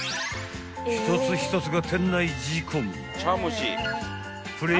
［一つ一つが］